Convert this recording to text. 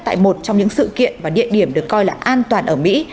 tại một trong những sự kiện và địa điểm được coi là an toàn ở mỹ